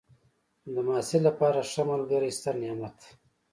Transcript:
د محصل لپاره ښه ملګری ستر نعمت دی.